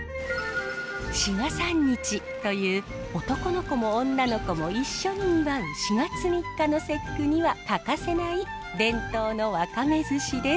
「しがさんにち」という男の子も女の子も一緒に祝う４月３日の節句には欠かせない伝統のワカメずしです。